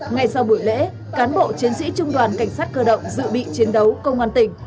ngay sau buổi lễ cán bộ chiến sĩ trung đoàn cảnh sát cơ động dự bị chiến đấu công an tỉnh